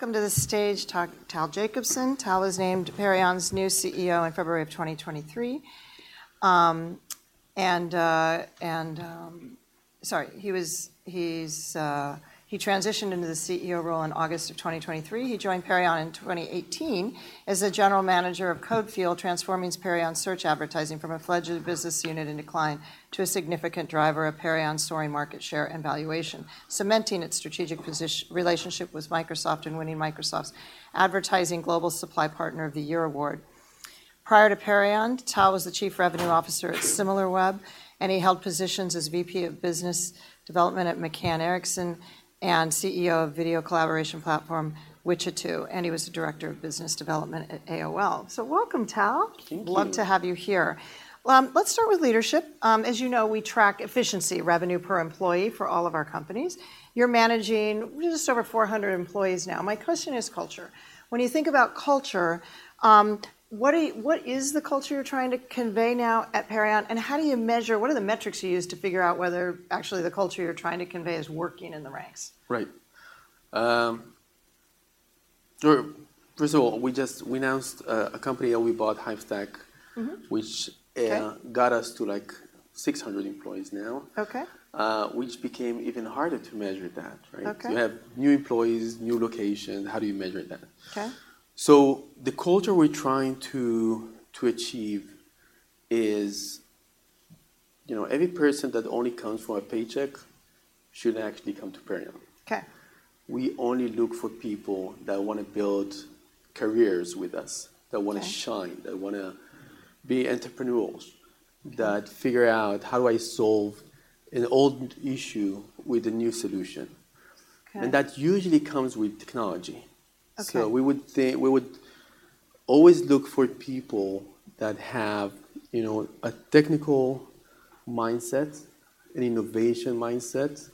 Welcome to the stage, Tal Jacobson. Tal was named Perion's new CEO in February of 2023. He transitioned into the CEO role in August of 2023. He joined Perion in 2018 as the General Manager of CodeFuel, transforming Perion's search advertising from a fledgling business unit in decline to a significant driver of Perion's soaring market share and valuation, cementing its strategic relationship with Microsoft and winning Microsoft's Advertising Global Supply Partner of the Year Award. Prior to Perion, Tal was the Chief Revenue Officer at Similarweb, and he held positions as VP of Business Development at McCann Erickson and CEO of video collaboration platform Watchitoo, and he was the Director of Business Development at AOL. So welcome, Tal. Thank you. Love to have you here. Let's start with leadership. As you know, we track efficiency, revenue per employee, for all of our companies. You're managing just over 400 employees now. My question is culture. When you think about culture, what is the culture you're trying to convey now at Perion, and how do you measure? What are the metrics you use to figure out whether actually the culture you're trying to convey is working in the ranks? Right. So first of all, we just announced a company that we bought, Hivestack which got us to, like, 600 employees now. Which became even harder to measure that, right? So you have new employees, new location. How do you measure that? So the culture we're trying to achieve is, you know, every person that only comes for a paycheck shouldn't actually come to Perion. We only look for people that wanna build careers with us that wanna shine, that wanna be entrepreneurs that figure out, "How do I solve an old issue with a new solution?" That usually comes with technology. So we would always look for people that have, you know, a technical mindset, an innovation mindset,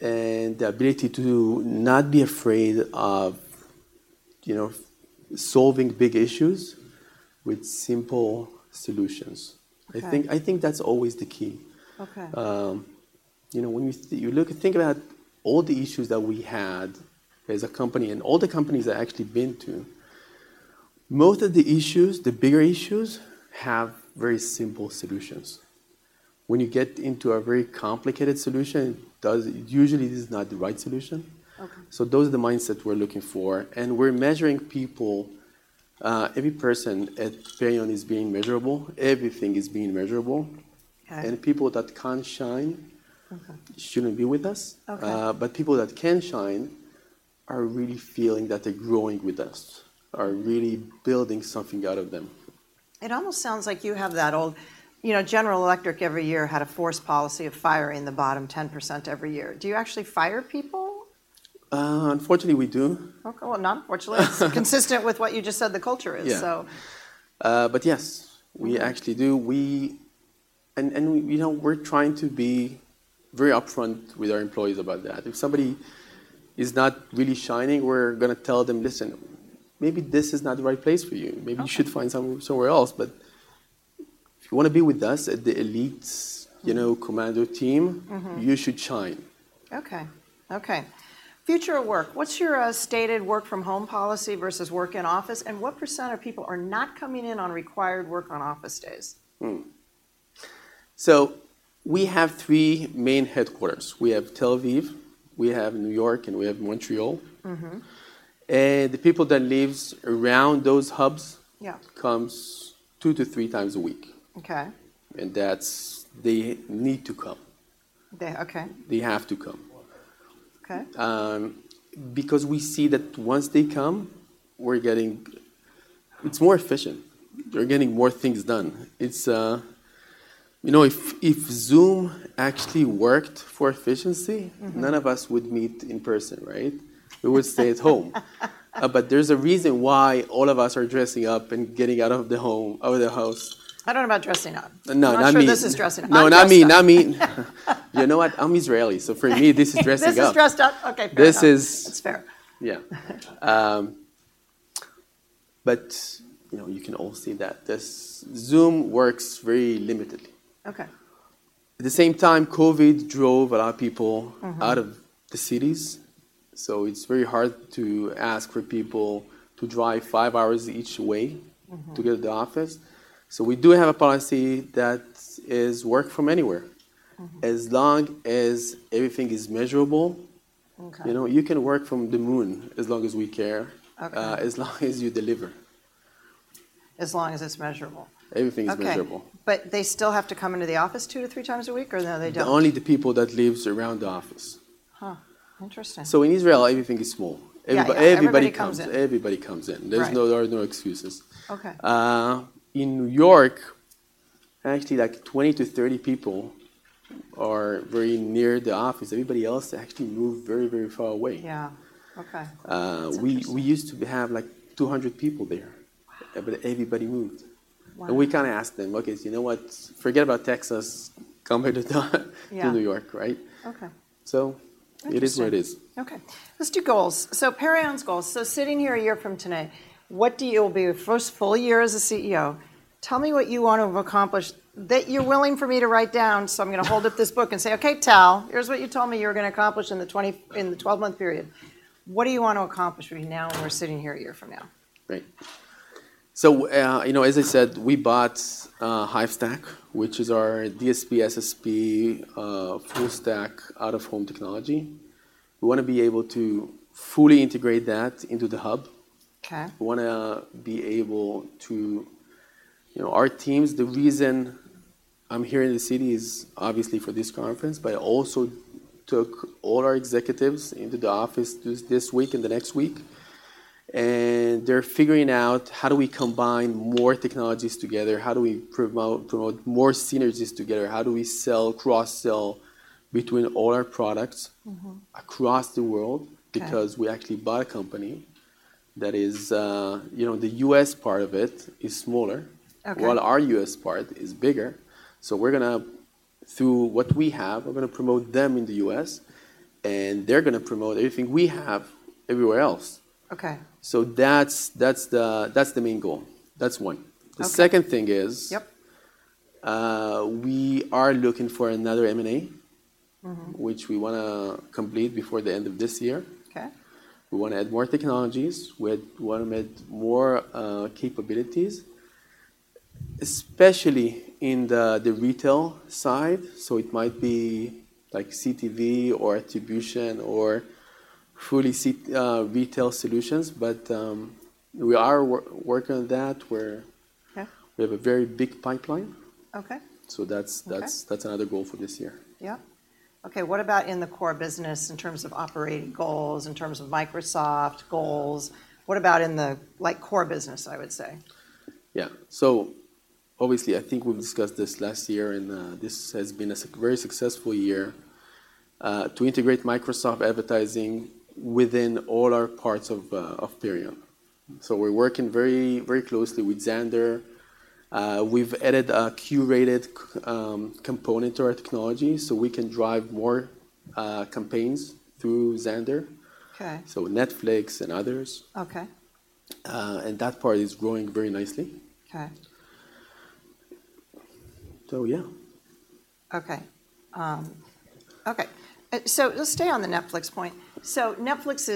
and the ability to not be afraid of, you know, solving big issues with simple solutions. I think that's always the key. You know, when you look, think about all the issues that we had as a company and all the companies I actually been to, most of the bigger issues, have very simple solutions. When you get into a very complicated solution, usually it is not the right solution. So those are the mindset we're looking for, and we're measuring people, every person at Perion is being measurable. Everything is being measurable. And people that can't shine shouldn't be with us. People that can shine are really feeling that they're growing with us, are really building something out of them. It almost sounds like you have that old, you know, General Electric every year had a forced policy of firing the bottom 10% every year. Do you actually fire people? Unfortunately, we do. Okay, well, not unfortunately. It's consistent with what you just said the culture is, so. Yeah. But yes, we actually do. And, you know, we're trying to be very upfront with our employees about that. If somebody is not really shining, we're gonna tell them, "Listen, maybe this is not the right place for you. Maybe you should find somewhere else, but if you wanna be with us at the elites, you know, commando team, you should shine." Okay. Future of work, what's your stated work from home policy versus work in office, and what percentage of people are not coming in on required work on office days? We have three main headquarters. We have Tel Aviv, we have New York, and we have Montreal. And the people that lives around those hubs comes 2x-3x a week. Okay. That's, they need to come. They have to come because we see that once they come, it's more efficient. We're getting more things done. You know, if, if Zoom actually worked for efficiency none of us would meet in person, right? We would stay at home. But there's a reason why all of us are dressing up and getting out of the home, of the house. I don't know about dressing up. No, not me. I'm not sure this is dressing up. No, not me. You know what? I'm Israeli, so for me, this is dressing up. This is dressed up? Okay, fair enough. That's fair. Yeah. But, you know, you can all see that this Zoom works very limitedly. Okay. At the same time, COVID drove a lot of people out of the cities, so it's very hard to ask for people to drive five hours each way to get to the office. We do have a policy that is work from anywhere. As long as everything is measurable, you know, you can work from the moon, as long as we care as long as you deliver. As long as it's measurable. Everything is measurable. Okay. But they still have to come into the office 2x-3x a week, or no, they don't? Only the people that lives around the office. Interesting. In Israel, everything is small. Yeah, yeah. Everybody comes in. Everybody comes in. Right. There are no excuses. Okay. In New York, actually, like 20 to 30 people are very near the office. Everybody else actually moved very, very far away. Yeah. Okay. Interesting We used to have, like, 200 people there. But everybody moved. We kinda asked them, "Okay, so you know what? Forget about Texas. Come back to New York," right? Okay. Interesting So it is what it is. Okay. Let's do goals. So Perion's goals, so sitting here a year from today, what do you, it'll be your first full year as a CEO. Tell me what you want to have accomplished, that you're willing for me to write down. So I'm gonna hold up this book and say, "Okay, Tal, here's what you told me you were gonna accomplish in the 12-month period." What do you want to accomplish between now and we're sitting here a year from now? Great. So, you know, as I said, we bought Hivestack, which is our DSP, SSP, full stack out-of-home technology. We wanna be able to fully integrate that into the hub. Okay. We wanna be able to, you know, our teams, the reason I'm here in the city is obviously for this conference, but I also took all our executives into the office this week and the next week, and they're figuring out: how do we combine more technologies together? How do we promote, promote more synergies together? How do we sell, cross-sell between all our products across the world because we actually bought a company that is, you know, the U.S. part of it is smaller while our U.S. part is bigger. So we're gonna, through what we have, we're gonna promote them in the U.S., and they're gonna promote everything we have everywhere else. So that's the main goal. That's one. The second thing is we are looking for another M&A which we wanna complete before the end of this year. We wanna add more technologies. We wanna add more capabilities, especially in the retail side. So it might be like CTV or attribution or fully retail solutions, but we are working on that, where we have a very big pipeline. So that's another goal for this year. Yep. Okay, what about in the core business in terms of operating goals, in terms of Microsoft goals? What about in the, like, core business, I would say? Yeah. So obviously, I think we've discussed this last year, and this has been a very successful year to integrate Microsoft Advertising within all our parts of Perion. So we're working very closely with Xandr. We've added a curated component to our technology, so we can drive more campaigns through Xandr. Netflix and others. That part is growing very nicely. So, yeah. Okay. so let's stay on the Netflix point. So Netflix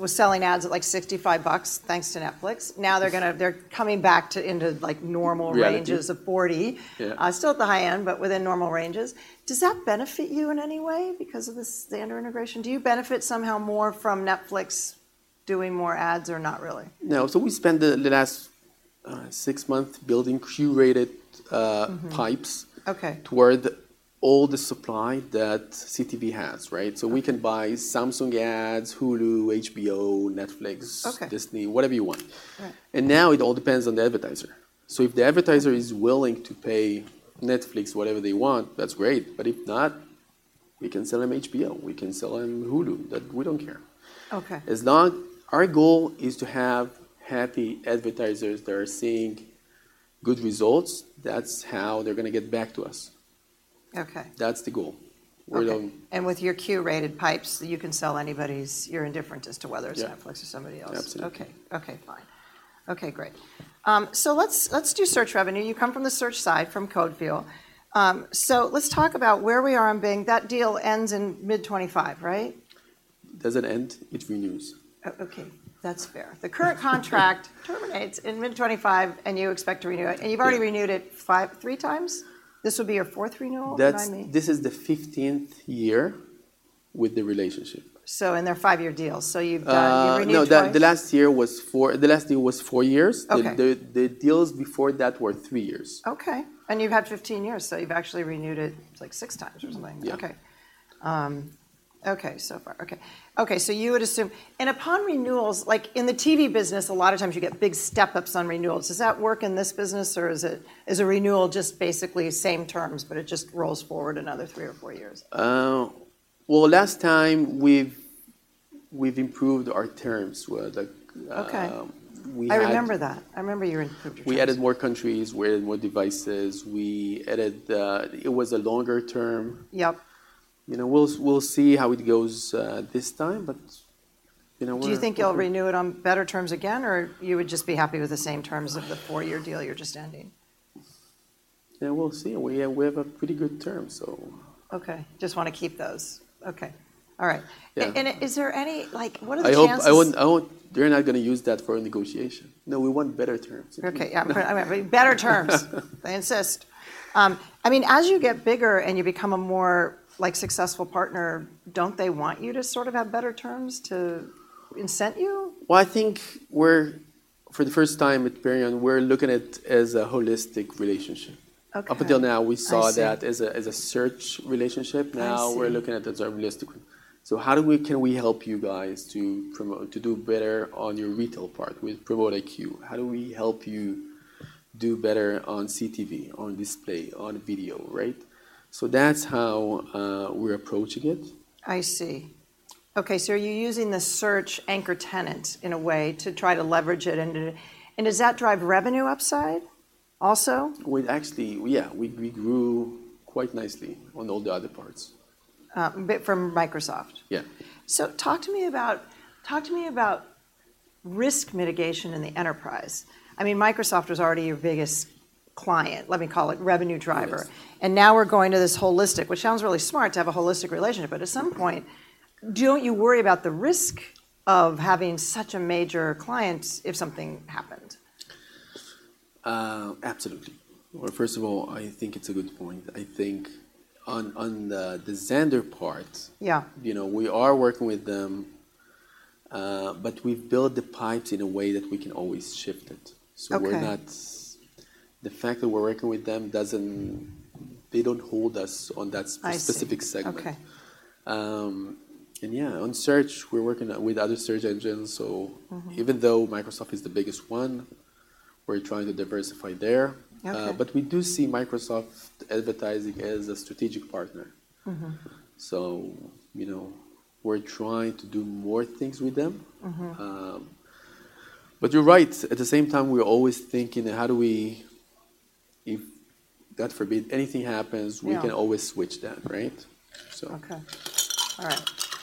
was selling ads at, like, $65, thanks to Netflix. Now, they're coming back to into, like, normal ranges of 40. Yeah. Still at the high end, but within normal ranges. Does that benefit you in any way because of the Xandr integration? Do you benefit somehow more from Netflix doing more ads or not really? No. So we spent the last six months building curated pipes toward all the supply that CTV has, right? We can buy Samsung ads, Hulu, HBO, Netflix, Disney, whatever you want. Right. Now it all depends on the advertiser. If the advertiser is willing to pay Netflix whatever they want, that's great, but if not, we can sell them HBO, we can sell them Hulu. That we don't care. Okay. Our goal is to have happy advertisers that are seeing good results. That's how they're gonna get back to us. That's the goal. Okay. And with your curated pipes, you can sell anybody's, you're indifferent as to whether it's Netflix or somebody else. Absolutely. Okay, fine. Okay, great. So let's do search revenue. You come from the search side, from CodeFuel. So let's talk about where we are on Bing. That deal ends in mid-2025, right? Does it end? It renews. Oh, okay. That's fair. The current contract terminates in mid-2025, and you expect to renew it. You've already renewed it 5x, 3x? This would be your 4th renewal, I mean? This is the 15th year with the relationship. And they're five-year deals, so you've renewed twice? No, the last deal was four years. Okay. The deals before that were three years. Okay. And you've had 15 years, so you've actually renewed it, like, 6x or something. Yeah. Okay, so you would assume. And upon renewals, like in the TV business, a lot of times you get big step-ups on renewals. Does that work in this business, or is it a renewal just basically same terms, but it just rolls forward another three or four years? Well, last time we've improved our terms. Well, like, we had. I remember that. I remember you improved your terms. We added more countries. We added more devices. We added. It was a longer term. Yep. You know, we'll see how it goes, this time, but, you know, we're. Do you think you'll renew it on better terms again, or you would just be happy with the same terms of the four-year deal you're just ending? Yeah, we'll see. We, we have a pretty good term, so. Okay. Just wanna keep those. Okay. All right. Yeah. And is there any, like, what are the chances? I want. They're not gonna use that for a negotiation. No, we want better terms. Okay, yeah. Better terms. I insist. I mean, as you get bigger and you become a more, like, successful partner, don't they want you to sort of have better terms to incent you? Well, I think we're, for the first time at Perion, we're looking at it as a holistic relationship. Up until now we saw that as a search relationship. I see. Now, we're looking at the holistic. So, how can we help you guys to promote, to do better on your retail part with PromoteIQ? How do we help you do better on CTV, on display, on video, right? So, that's how we're approaching it. I see. Okay, so are you using the search anchor tenant in a way to try to leverage it into. And does that drive revenue upside also? We actually. Yeah, we grew quite nicely on all the other parts. But from Microsoft? Yeah. So talk to me about risk mitigation in the enterprise. I mean, Microsoft was already your biggest client, let me call it revenue driver. Yes. And now we're going to this holistic, which sounds really smart to have a holistic relationship, but at some point, don't you worry about the risk of having such a major client if something happened? Absolutely. Well, first of all, I think it's a good point. I think on the Xandr part, you know, we are working with them, but we've built the pipe in a way that we can always shift it. Okay. The fact that we're working with them doesn't. They don't hold us on that specific segment. And yeah, on search, we're working with other search engines, so even though Microsoft is the biggest one, we're trying to diversify there. Okay. But we do see Microsoft Advertising as a strategic partner. You know, we're trying to do more things with them. But you're right. At the same time, we are always thinking: how do we, if, God forbid, anything happens we can always switch them, right? Okay. All right.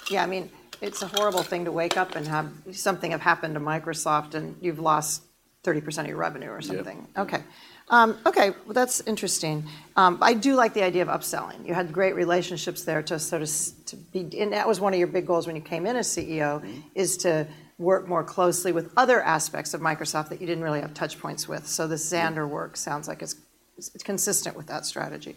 Yeah, I mean, it's a horrible thing to wake up and have something have happened to Microsoft, and you've lost 30% of your revenue or something. Yeah. Okay, well, that's interesting. I do like the idea of upselling. You had great relationships there to sort of and that was one of your big goals when you came in as CEO is to work more closely with other aspects of Microsoft that you didn't really have touch points with. So the Xandr work sounds like it's consistent with that strategy.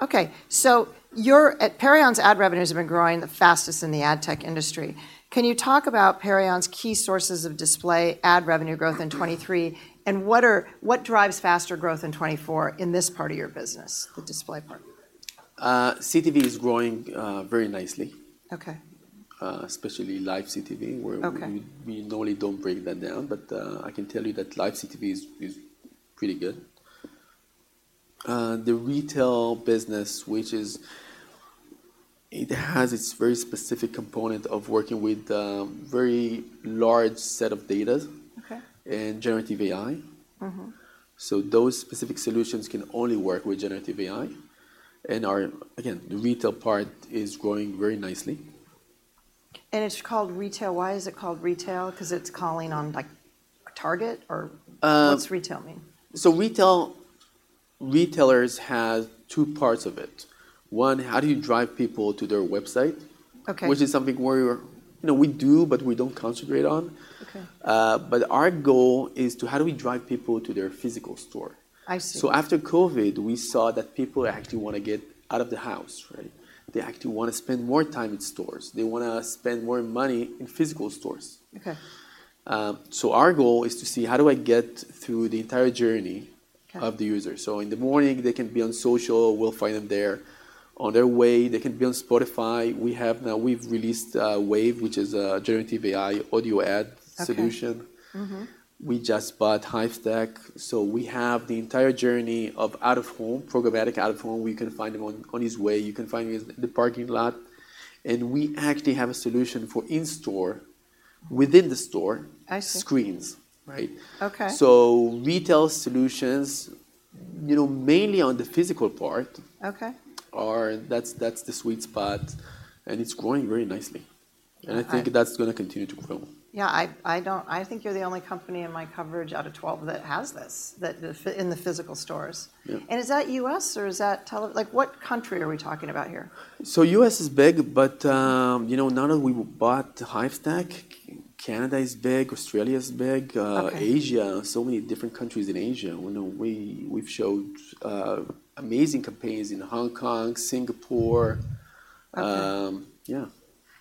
Okay, so Perion's ad revenues have been growing the fastest in the ad tech industry. Can you talk about Perion's key sources of display ad revenue growth in 2023, and what drives faster growth in 2024 in this part of your business, the display part? CTV is growing very nicely. Especially live CTV, where we normally don't break that down, but I can tell you that live CTV is pretty good. The retail business, which is it has its very specific component of working with a very large set of data and Generative AI. Those specific solutions can only work with Generative AI, and our, again, the retail part is growing very nicely. It's called retail. Why is it called retail? 'Cause it's calling on, like, Target or what's retail mean? Retail, retailers have two parts of it. One, how do you drive people to their website? Which is something where we're, you know, we do, but we don't concentrate on. Our goal is to, how do we drive people to their physical store? I see. After COVID, we saw that people actually wanna get out of the house, right? They actually wanna spend more time in stores. They wanna spend more money in physical stores. So, our goal is to see how do I get through the entire journey of the user. So in the morning, they can be on social, we'll find them there. On their way, they can be on Spotify. We have now released WAVE, which is a Generative AI audio ad solution. We just bought Hivestack, so we have the entire journey of out of home, programmatic out of home, we can find him on, on his way, you can find him in the parking lot, and we actually have a solution for in-store, within the store screens, right? Okay. Retail solutions, you know, mainly on the physical part, that's the sweet spot, and it's growing very nicely. I think that's gonna continue to grow. Yeah, I think you're the only company in my coverage out of 12 that has this in the physical stores. Yeah. Is that U.S. or is that? Like, what country are we talking about here? U.S. is big, but, you know, now that we bought Hivestack, Canada is big, Australia is big. Asia, so many different countries in Asia. You know, we've showed amazing campaigns in Hong Kong, Singapore, yeah.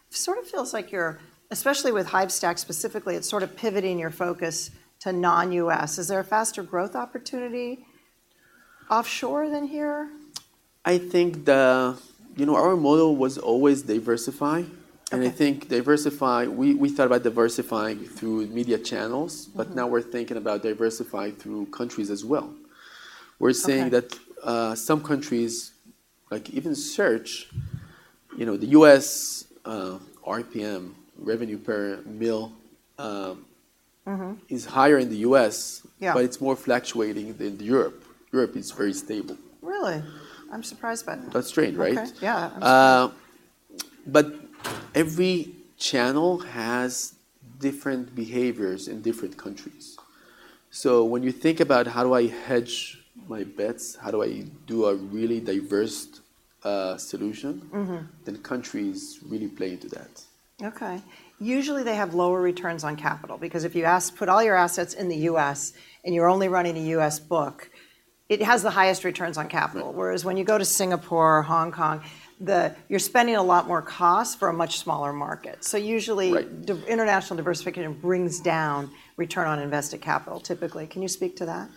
Sort of feels like you're, especially with Hivestack specifically, it's sort of pivoting your focus to non-U.S. Is there a faster growth opportunity offshore than here? I think, you know, our model was always diversify. I think we thought about diversifying through media channels but now we're thinking about diversify through countries as well. Okay. We're saying that some countries, like even search, you know, the U.S., RPM, revenue per mille is higher in the U.S. but it's more fluctuating than Europe. Europe is very stable. Really? I'm surprised by that. That's strange, right? Okay. Yeah. But every channel has different behaviors in different countries. So when you think about how do I hedge my bets, how do I do a really diversified, solution then countries really play into that. Okay. Usually, they have lower returns on capital, because if you put all your assets in the U.S., and you're only running a U.S. book, it has the highest returns on capital. Whereas when you go to Singapore, Hong Kong, you're spending a lot more cost for a much smaller market. So usually international diversification brings down return on invested capital, typically. Can you speak to that?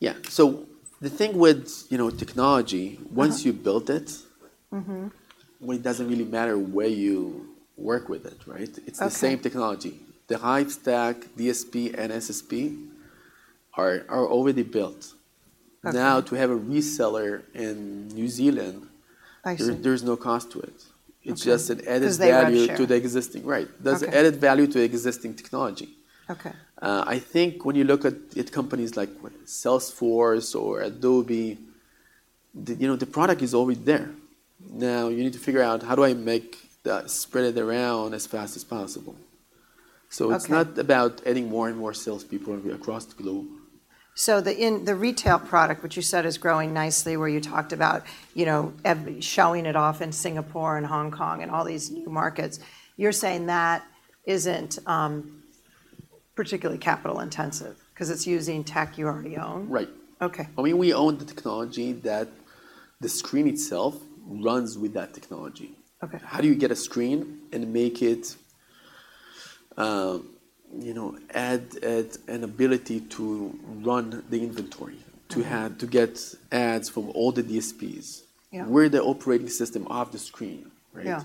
Yeah. So the thing with, you know, technology once you've built it well, it doesn't really matter where you work with it, right? Okay. It's the same technology. The Hivestack, DSP, and SSP are already built. Okay. Now, to have a reseller in New Zealand there's no cost to it. It's just an added value to the existing. Right. 'Cause they have share. Does it added value to existing technology? Okay. I think when you look at companies like, what, Salesforce or Adobe, you know, the product is always there. Now, you need to figure out how do I make that spread it around as fast as possible? It's not about adding more and more salespeople across the globe. So the retail product, which you said is growing nicely, where you talked about, you know, showing it off in Singapore and Hong Kong and all these new markets, you're saying that isn't particularly capital-intensive 'cause it's using tech you already own? Right. Okay. I mean, we own the technology that the screen itself runs with that technology. How do you get a screen and make it, you know, add an ability to run the inventory, to have, to get ads from all the DSPs? Yeah. We're the operating system of the screen, right? Yeah.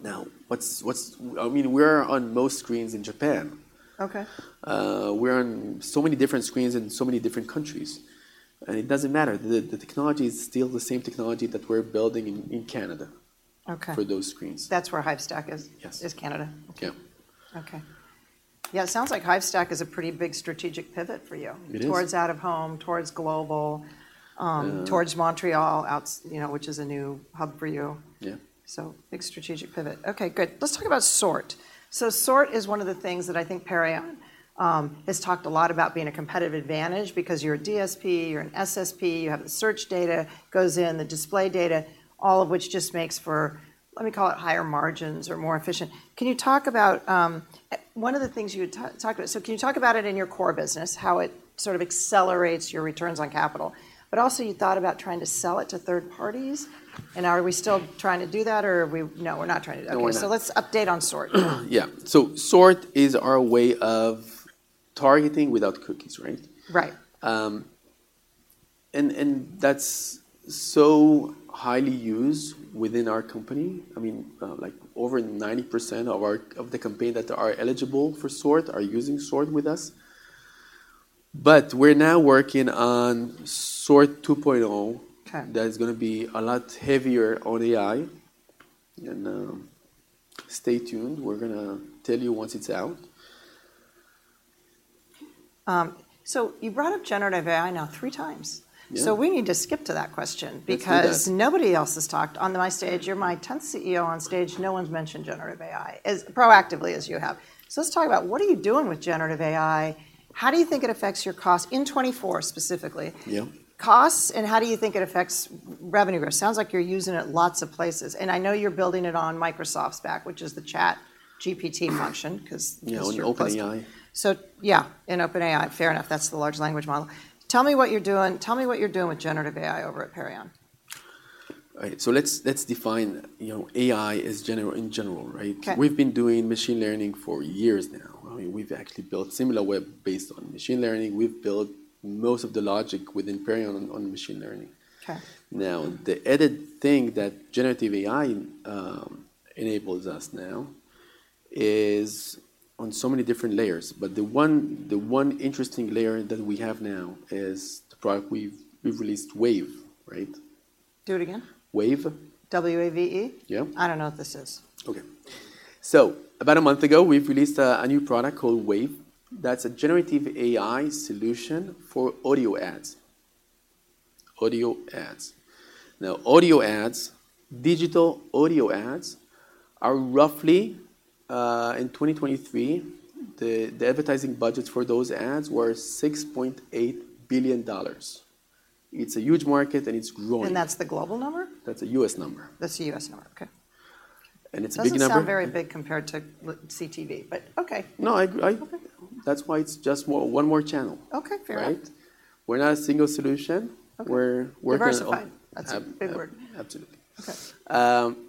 Now, I mean, we're on most screens in Japan. We're on so many different screens in so many different countries, and it doesn't matter. The technology is still the same technology that we're building in Canada for those screens. That's where Hivestack is. Yes. Is Canada? Yeah. Okay. Yeah, it sounds like Hivestack is a pretty big strategic pivot for you towards out-of-home, towards global, towards Montreal, out, you know, which is a new hub for you. Yeah. So, big strategic pivot. Okay, good. Let's talk about SORT. So SORT is one of the things that I think Perion has talked a lot about being a competitive advantage because you're a DSP, you're an SSP, you have the search data goes in, the display data, all of which just makes for, let me call it, higher margins or more efficient. Can you talk about one of the things you had talked about. So can you talk about it in your core business, how it sort of accelerates your returns on capital? But also, you thought about trying to sell it to third parties, and are we still trying to do that, or are we, no, we're not trying to do that. No, we're not. Okay, so let's update on SORT. Yeah. So SORT is our way of targeting without cookies, right? Right. That's so highly used within our company. I mean, like, over 90% of the campaign that are eligible for SORT are using SORT with us. But we're now working on SORT 2.0, that is gonna be a lot heavier on AI, and stay tuned. We're gonna tell you once it's out. You brought up Generative AI now 3x. Yeah. We need to skip to that question. Let's do that. Because nobody else has talked. On my stage, you're my tenth CEO on stage, no one's mentioned Generative AI as proactively as you have. So let's talk about what are you doing with Generative AI? How do you think it affects your cost, in 2024 specifically? Yeah. Costs, and how do you think it affects revenue growth? Sounds like you're using it lots of places, and I know you're building it on Microsoft Stack, which is the ChatGPT function, 'cause. Yeah, on OpenAI. So, yeah, in OpenAI. Fair enough, that's the large language model. Tell me what you're doing, tell me what you're doing with Generative AI over at Perion. Right. So let's define, you know, AI in general, right? Okay. We've been doing machine learning for years now. I mean, we've actually built Similarweb based on machine learning. We've built most of the logic within Perion on machine learning. Okay. Now, the added thing that Generative AI enables us now is on so many different layers, but the one interesting layer that we have now is the product we've released, WAVE, right? Do it again. WAVE. W-A-V-E? Yeah. I don't know what this is. Okay. So about a month ago, we've released a new product called WAVE, that's a Generative AI solution for audio ads. Audio ads. Now, audio ads, digital audio ads, are roughly in 2023, the advertising budgets for those ads were $6.8 billion. It's a huge market, and it's growing. That's the global number? That's a U.S. number. That's a U.S. number, okay. And it's a big number. Doesn't sound very big compared to CTV, but okay. No, that's why it's just more, one more channel. Okay, fair enough. Right? We're not a single solution. Okay. We're diversifying. Diversifying. That's a big word. Absolutely.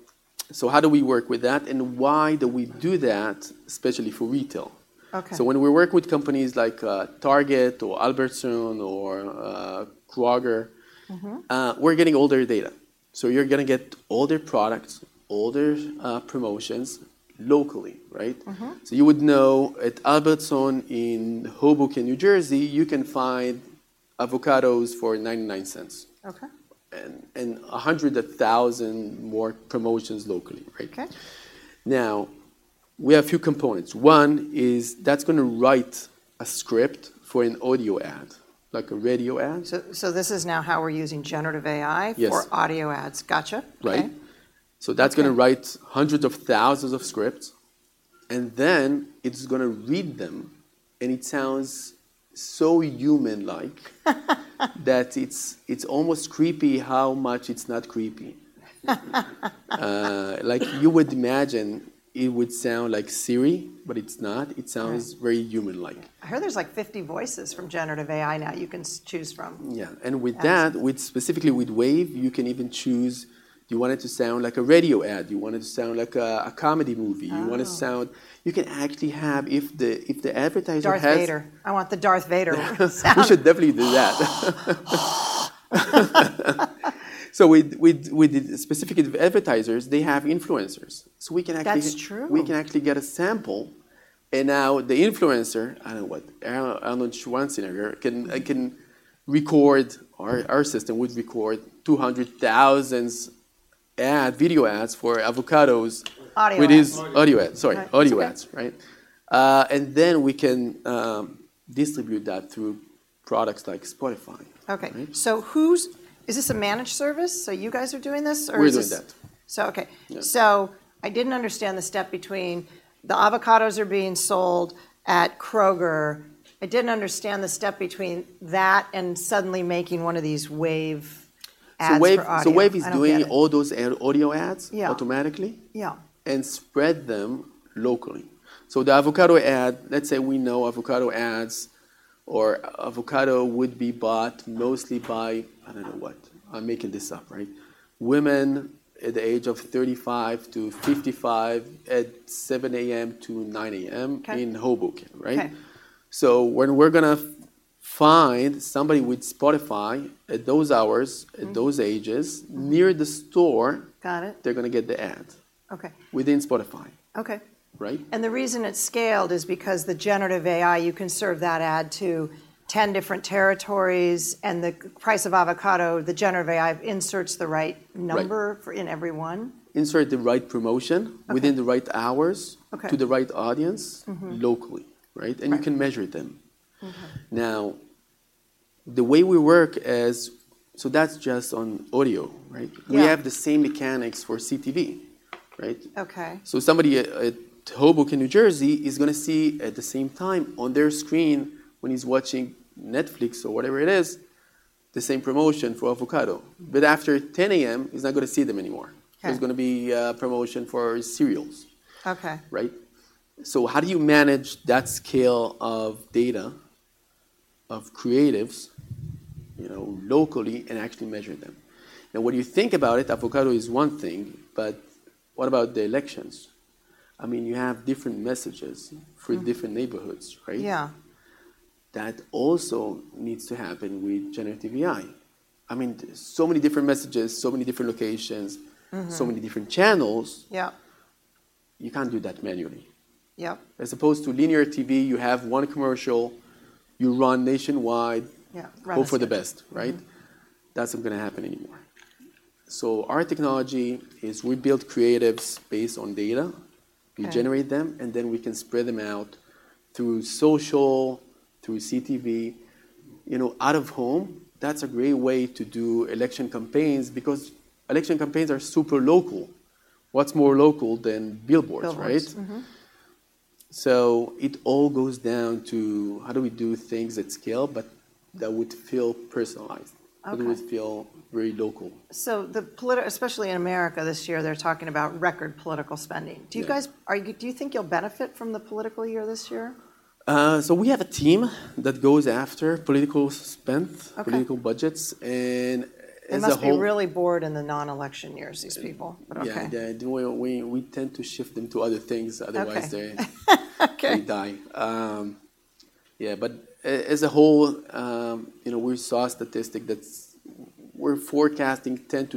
Okay. How do we work with that, and why do we do that, especially for retail? Okay. So when we work with companies like Target or Albertsons or Kroger, we're getting all their data. So you're gonna get all their products, all their, promotions locally, right? You would know at Albertsons in Hoboken, New Jersey, you can find avocados for $0.99 and 100,000 more promotions locally, right? Okay. Now, we have a few components. One is, that's gonna write a script for an audio ad, like a radio ad. So, this is now how we're using Generative AI for audio ads. Gotcha. Right. Okay. So that's gonna write hundreds of thousands of scripts, and then it's gonna read them, and it sounds so human-like, that it's almost creepy how much it's not creepy. Like, you would imagine it would sound like Siri, but it's not. It sounds very human-like. I heard there's, like, 50 voices from Generative AI now you can choose from. Yeah, and with that, with specifically with WAVE, you can even choose, do you want it to sound like a radio ad? Do you want it to sound like a comedy movie? You want it to sound, you can actually have, if the advertiser has. Darth Vader. I want the Darth Vader sound. We should definitely do that. So with the specific advertisers, they have influencers, so we can actually get we can actually get a sample. And now the influencer, I don't know what, I don't know, Schweinsteiger, can record, or our system would record 200,000 ad video ads for avocados. Audio ads. Audio ads. Audio ads, sorry. It's okay. Audio ads, right? And then we can distribute that through products like Spotify. Okay. Right? So is this a managed service? So you guys are doing this? We're doing that. So, okay. Yes. So I didn't understand the step between the avocados are being sold at Kroger. I didn't understand the step between that and suddenly making one of these WAVE ads for audio. I don't get it. So WAVE is doing all those audio ads automatically and spread them locally. So the avocado ad, let's say we know avocado ads or avocado would be bought mostly by, I don't know what. I'm making this up, right? Women at the age of 35 to 55, at 7: 00 A.M. To 9:00 A.M. in Hoboken, right? Okay. So when we're gonna find somebody with Spotify at those hours at those ages near the store they're gonna get the ad within Spotify. Okay. Right? The reason it's scaled is because the Generative AI, you can serve that ad to 10 different territories, and the price of avocado, the Generative AI inserts the right number for in every one? Insert the right promotion within the right hours to the right audience locally, right? Right. You can measure them. Now, the way we work is, so that's just on audio, right? We have the same mechanics for CTV, right? Okay. Somebody at Hoboken, New Jersey, is gonna see at the same time, on their screen, when he's watching Netflix or whatever it is, the same promotion for avocado. But after 10:00 A.M., he's not gonna see them anymore. There's gonna be a promotion for cereals. Okay. Right? So how do you manage that scale of data, of creatives, you know, locally, and actually measure them? Now, when you think about it, avocado is one thing, but what about the elections? I mean, you have different messages for different neighborhoods, right? Yeah. That also needs to happen with Generative AI. I mean, so many different messages, so many different locations, so many different channels. You can't do that manually. Yeah. As opposed to linear TV, you have one commercial, you run nationwide hope for the best, right? That's not gonna happen anymore. So our technology is we build creatives based on data. Okay. We generate them, and then we can spread them out through social, through CTV. You know, out of home, that's a great way to do election campaigns because election campaigns are super local. What's more local than billboards, right? It all goes down to: how do we do things at scale, but that would feel personalized? That would feel very local. So the political especially in America this year, they're talking about record political spending. Yeah. Do you think you'll benefit from the political year this year? So we have a team that goes after political spend, political budgets, and as a whole. They must be really bored in the non-election years, these people, but okay. Yeah, we tend to shift them to other things otherwise, they die. Yeah, but as a whole, you know, we saw a statistic that's we're forecasting $10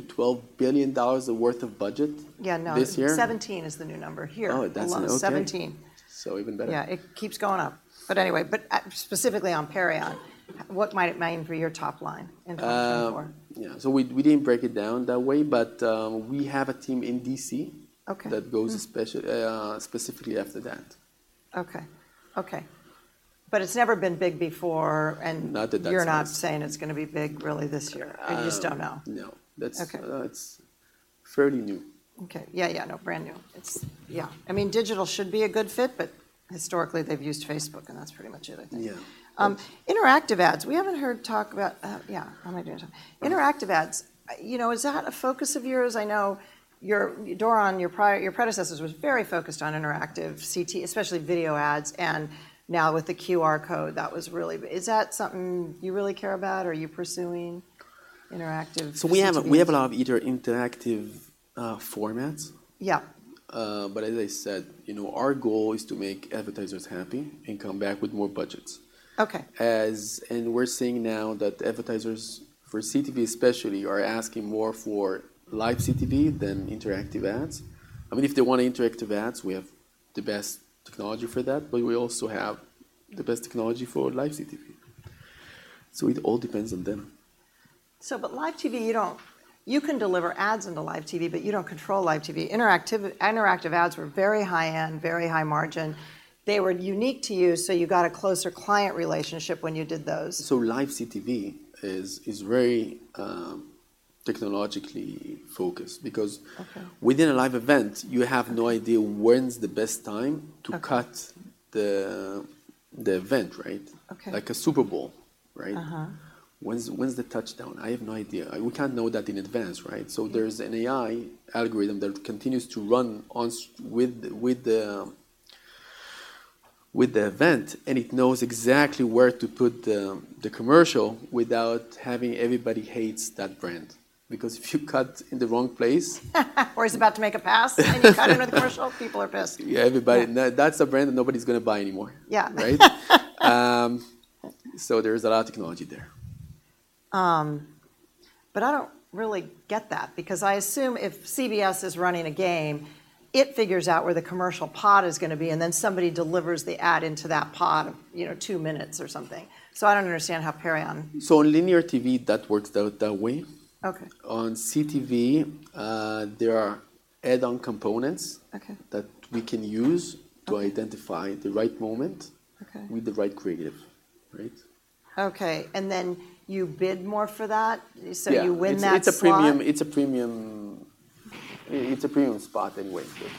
billion-$12 billion worth of budget this year. Yeah, no 17 is the new number here. Oh, that's it? Okay. Seventeen. Even better. Yeah, it keeps going up. But anyway, specifically on Perion, what might it mean for your top line in 2024? Yeah, so we didn't break it down that way, but we have a team in D.C. that goes special, specifically after that. Okay. But it's never been big before, and you're not saying it's gonna be big really this year. You just don't know. No. It's fairly new. Okay. Yeah, no, brand new. Yeah, I mean, digital should be a good fit, but historically, they've used Facebook, and that's pretty much it, I think. Yeah. Interactive ads, we haven't heard talk about. Yeah, how am I doing? Interactive ads, you know, is that a focus of yours? I know your predecessors was very focused on interactive CT, especially video ads, and now with the QR code, that was really, is that something you really care about? Are you pursuing interactive CTV? So we have a lot of either interactive formats. As I said, you know, our goal is to make advertisers happy and come back with more budgets. Okay. We're seeing now that advertisers, for CTV especially, are asking more for live CTV than interactive ads. I mean, if they want interactive ads, we have the best technology for that, but we also have the best technology for live CTV. So it all depends on them. So, but live TV, you can deliver ads into live TV, but you don't control live TV. Interactive ads were very high-end, very high margin. They were unique to you, so you got a closer client relationship when you did those. So live CTV is very technologically focused because within a live event, you have no idea when's the best time to cut the event, right? Okay. Like a Super Bowl, right? When's the touchdown? I have no idea. We can't know that in advance, right? So there's an AI algorithm that continues to run on with the event, and it knows exactly where to put the commercial without having everybody hates that brand because if you cut in the wrong place. Or he's about to make a pass, and you cut to a commercial, people are pissed. Yeah, everybody. That's a brand that nobody's gonna buy anymore. Yeah. Right? So there's a lot of technology there. But I don't really get that, because I assume if CBS is running a game, it figures out where the commercial pod is gonna be, and then somebody delivers the ad into that pod, you know, two minutes or something. So I don't understand how Perion. Linear TV, that works out that way. Okay. On CTV, there are add-on components that we can use to identify the right moment with the right creative. Right? Okay, then you bid more for that, so you win that spot? It's a premium spot in a way. Yes.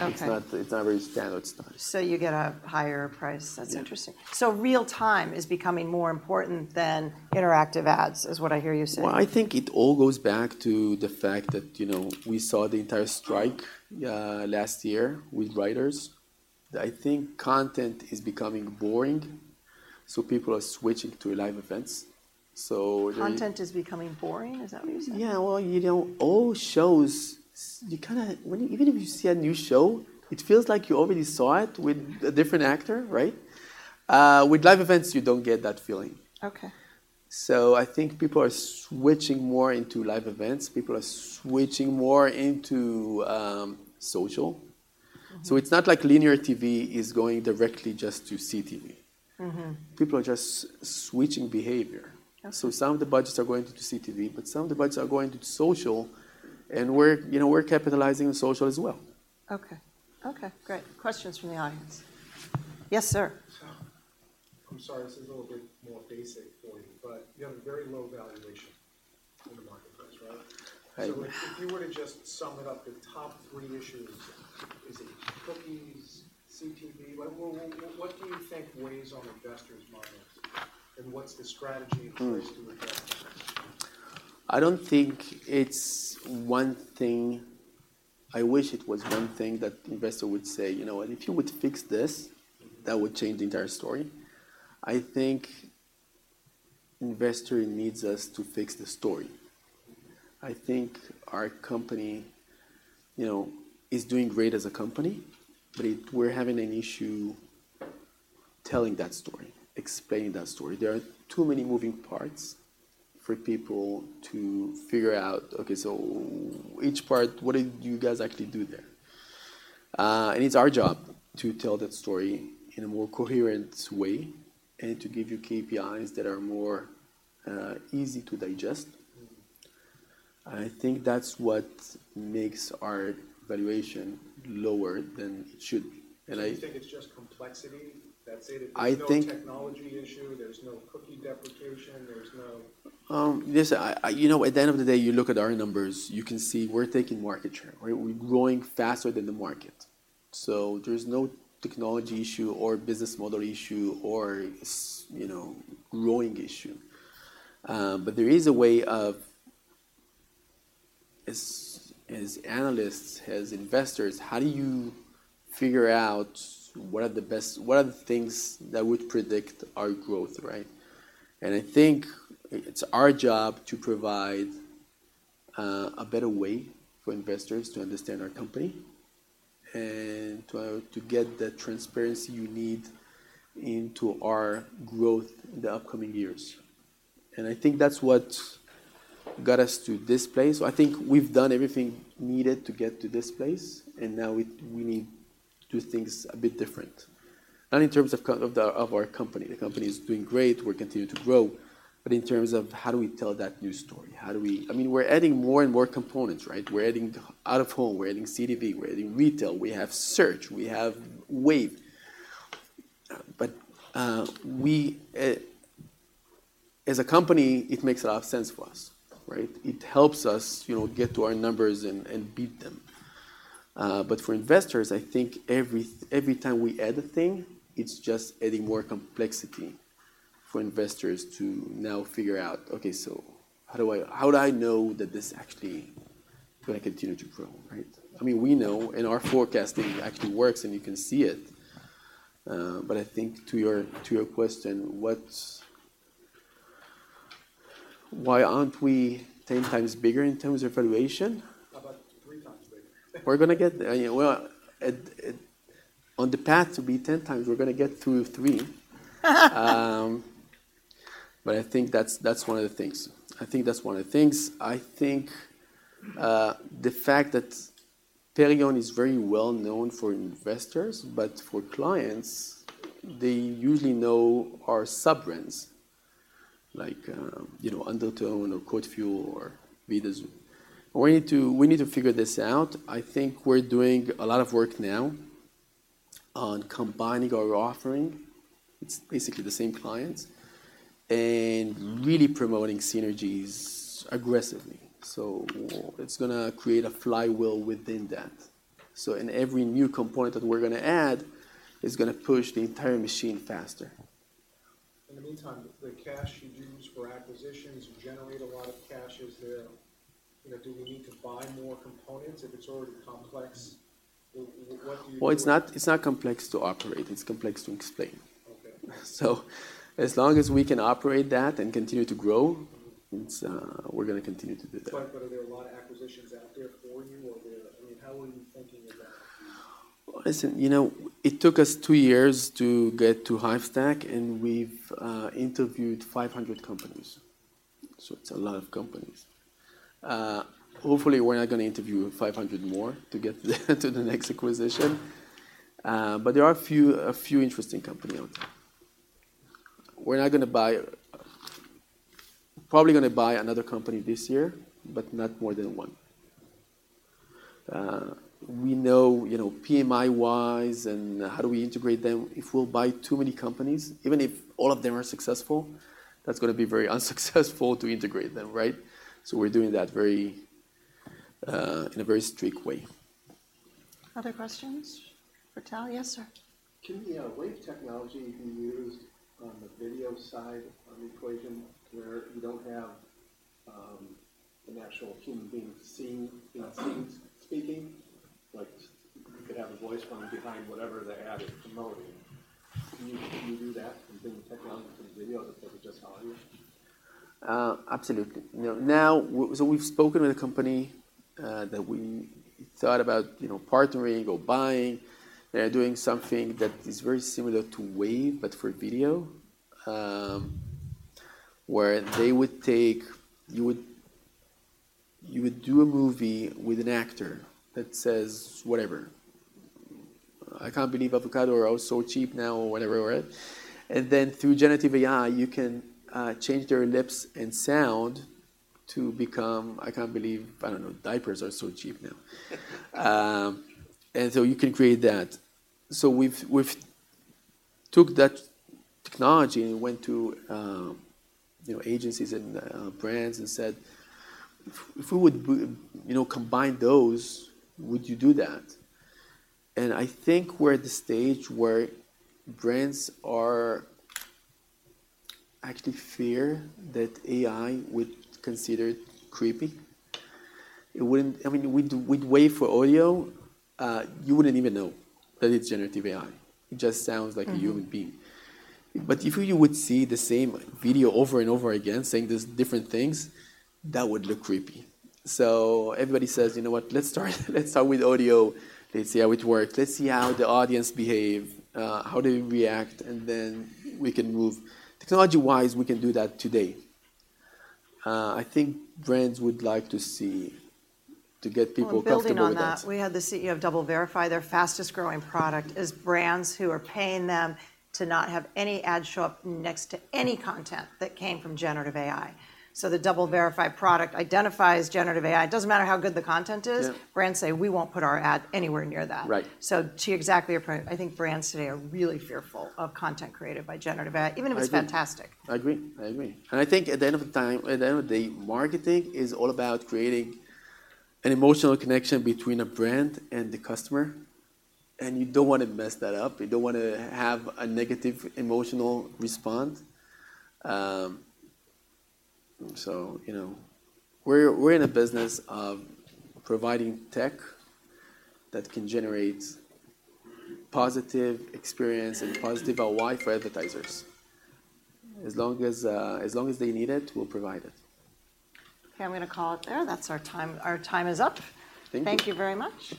Okay. It's not very standard stuff. So you get a higher price? Yeah. That's interesting. So real time is becoming more important than interactive ads, is what I hear you saying? Well, I think it all goes back to the fact that, you know, we saw the entire strike last year with writers. I think content is becoming boring, so people are switching to live events. Content is becoming boring? Is that what you're saying? Yeah, well, you know, all shows, you kinda, even if you see a new show, it feels like you already saw it with a different actor, right? With live events, you don't get that feeling. Okay. So I think people are switching more into live events. People are switching more into social. It's not like linear TV is going directly just to CTV. People are just switching behavior. Okay. So some of the budgets are going to CTV, but some of the budgets are going to social, and we're, you know, we're capitalizing on social as well. Okay. Okay, great. Questions from the audience. Yes, sir? So I'm sorry this is a little bit more basic for you, but you have a very low valuation in the marketplace, right? Right. So if you were to just sum it up, the top three issues, is it cookies, CTV? Like, well, what do you think weighs on investors' minds, and what's the strategy in place to address? I don't think it's one thing. I wish it was one thing that investor would say, "You know what? If you would fix this, that would change the entire story." I think investor needs us to fix the story. I think our company, you know, is doing great as a company, but we're having an issue telling that story, explaining that story. There are too many moving parts for people to figure out, "Okay, so each part, what did you guys actually do there?" And it's our job to tell that story in a more coherent way and to give you KPIs that are more easy to digest. I think that's what makes our valuation lower than it should be. Do you think it's just complexity, that's it? There's no technology issue, there's no cookie deprecation, there's no. You know, at the end of the day, you look at our numbers, you can see we're taking market share, right? We're growing faster than the market, so there's no technology issue or business model issue or, you know, growing issue. But there is a way of, as analysts, as investors, how do you figure out what are the things that would predict our growth, right? And I think it's our job to provide a better way for investors to understand our company and to get the transparency you need into our growth in the upcoming years, and I think that's what got us to this place. So I think we've done everything needed to get to this place, and now we need to do things a bit different. Not in terms of the company, the company is doing great, we're continuing to grow, but in terms of how do we tell that new story? I mean, we're adding more and more components, right? We're adding out-of-home, we're adding CTV, we're adding retail, we have search, we have WAVE. But, as a company, it makes a lot of sense for us, right? It helps us, you know, get to our numbers and beat them. But for investors, I think every time we add a thing, it's just adding more complexity for investors to now figure out, "Okay, so how do I know that this actually gonna continue to grow," right? I mean, we know, and our forecasting actually works, and you can see it. But I think to your, to your question, why aren't we 10x bigger in terms of valuation? How about 3x bigger? We're gonna get there. Yeah, well, on the path to be 10x, we're gonna get through three. But I think that's one of the things. I think that's one of the things. I think, the fact that Perion is very well known for investors, but for clients, they usually know our sub-brands, like, you know, Undertone or CodeFuel or Vidazoo. We need to figure this out. I think we're doing a lot of work now on combining our offering, it's basically the same clients, and really promoting synergies aggressively. So it's gonna create a flywheel within that. So in every new component that we're gonna add, it's gonna push the entire machine faster. In the meantime, the cash you use for acquisitions, you generate a lot of cash. You know, do we need to buy more components if it's already complex? Well, it's not, it's not complex to operate, it's complex to explain. So as long as we can operate that and continue to grow, we're gonna continue to do that. But are there a lot of acquisitions out there for you, or where, I mean, how are you thinking about acquisitions? Listen, you know, it took us two years to get to Hivestack, and we've interviewed 500 companies, so it's a lot of companies. Hopefully, we're not gonna interview 500 more to get to the next acquisition. But there are a few interesting company out there. We're not gonna buy. Probably gonna buy another company this year, but not more than one. We know, you know, PMI-wise, and how do we integrate them? If we'll buy too many companies, even if all of them are successful, that's gonna be very unsuccessful to integrate them, right? So we're doing that in a very strict way. Other questions for Tal? Yes, sir. Can, yeah, WAVE technology be used on the video side of the equation, where you don't have an actual human being seen, you know, seen speaking, but you could have a voice coming behind whatever the ad is promoting. Can you do that and bring the technology to the video that does it just audio? Absolutely. No, now, so we've spoken with a company that we thought about, you know, partnering or buying. They're doing something that is very similar to WAVE, but for video. Where you would do a movie with an actor that says whatever. "I can't believe avocado are all so cheap now," or whatever it was. And then through Generative AI, you can change their lips and sound to become, "I can't believe," I don't know, "diapers are so cheap now." And so you can create that. So we've took that technology and went to, you know, agencies and brands and said, "If we would you know, combine those, would you do that?" And I think we're at the stage where brands are actually fear that AI would consider it creepy. I mean, with, with WAVE for audio, you wouldn't even know that it's Generative AI. It just sounds like a human being. But if you would see the same video over and over again, saying these different things, that would look creepy. So everybody says, "You know what? Let's start with audio. Let's see how it works. Let's see how the audience behave, how do they react, and then we can move." Technology-wise, we can do that today. I think brands would like to see, to get people comfortable with that. Well, building on that, we had the CEO of DoubleVerify. Their fastest-growing product is brands who are paying them to not have any ad show up next to any content that came from Generative AI. So the DoubleVerify product identifies Generative AI. It doesn't matter how good the content is, brands say, "We won't put our ad anywhere near that." Right. To exactly your point, I think brands today are really fearful of content created by Generative AI, even if it's fantastic. I agree. And I think at the end of the time, at the end of the day, marketing is all about creating an emotional connection between a brand and the customer, and you don't want to mess that up. You don't wanna have a negative emotional response. So, you know, we're in a business of providing tech that can generate positive experience and positive ROI for advertisers. As long as they need it, we'll provide it. Okay, I'm gonna call it there. That's our time. Our time is up. Thank you. Thank you very much.